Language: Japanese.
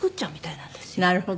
なるほど。